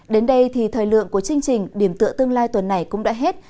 đến đây thì thời lượng của chương trình điểm tựa tương lai tuần này cũng đã hết